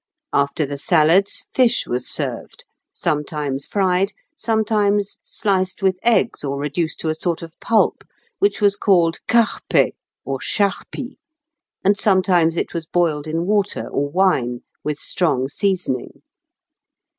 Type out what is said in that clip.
After the salads fish was served; sometimes fried, sometimes sliced with eggs or reduced to a sort of pulp, which was called carpée or charpie, and sometimes it was boiled in water or wine, with strong seasoning.